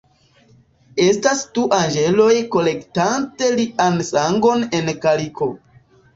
Estas du anĝeloj kolektante lian sangon en kaliko.